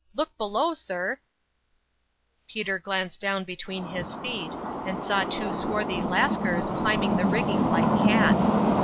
Look below, sir !" Peter glanced down between his feet, and saw two swarthy Lascars climbing the rigging like cats.